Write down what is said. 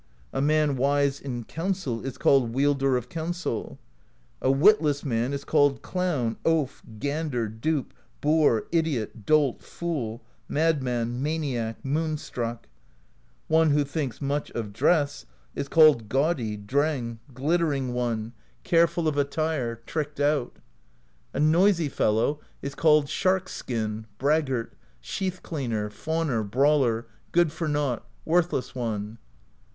A man wise in Counsel is called Wielder of Counsel. A witless man is called Clown, Oaf, Gander, Dupe, Boor, Idiot, Dolt, Fool, Madman, Maniac, Moon Struck. One who thinks much of dress is called Gaudy, Dreng, Glittering One, Careful THE POESY OF SKALDS 235 of Attire, Tricked Out. A noisy fellow is called Shark Skin, Braggart, Sheath Cleaner, Fawner, Brawler, Good for Naught, Worthless One.